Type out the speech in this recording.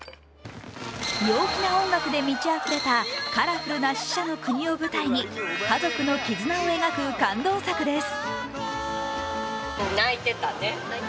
陽気な音楽で満ちあふれたカラフルな死者の国を舞台に、家族の絆を描く感動作です。